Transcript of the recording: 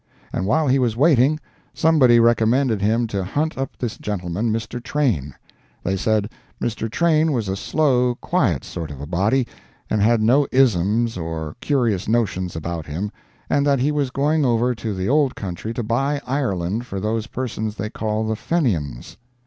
And while he was waiting, somebody recommended him to hunt up this gentleman, Mr. Train. They said Mr. Train was a slow, quiet sort of a body, and had no isms or curious notions about him, and that he was going over to the old country to buy Ireland for those persons they call the Fenians.